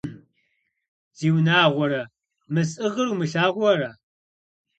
Зиунагъуэрэ, мы сӀыгъыр умылъагъуу ара?!